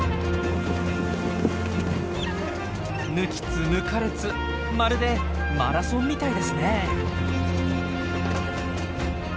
抜きつ抜かれつまるでマラソンみたいですねえ。